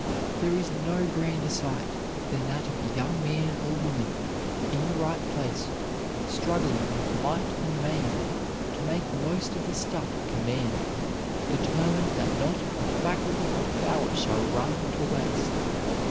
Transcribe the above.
There is no grander sight than that of a young man or woman in the right place struggling with might and main to make the most of the stuff at command, determined that not a faculty or power shall run to waste.